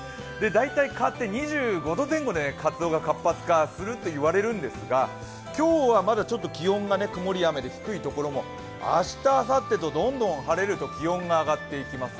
大体、蚊って２５度前後で活動が活発化すると言われていますが今日はまだ気温が曇り、雨で低いところも明日、あさってとどんどん晴れると気温が上がっていきます。